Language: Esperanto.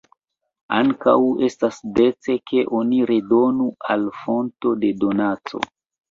Ankaŭ, estas dece, ke oni redonu al fonto de donaco.